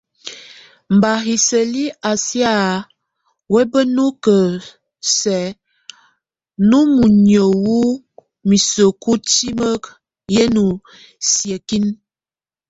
Mba hiseli a siá webúeknu sɛk nú munyé wo miseku tímek e nú siekinek.